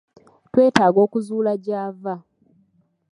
twetaaga okuzuula gy'ava.